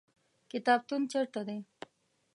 کتابتون چیرته دی؟